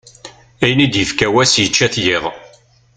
Ayen i d-ifka wass yečča-t yiḍ.